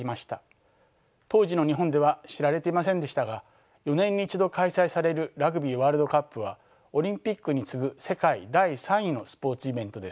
当時の日本では知られていませんでしたが４年に一度開催されるラグビーワールドカップはオリンピックに次ぐ世界第３位のスポーツイベントです。